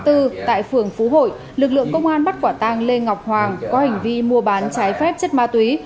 tại phường phú hội lực lượng công an bắt quả tang lê ngọc hoàng có hành vi mua bán trái phép chất ma túy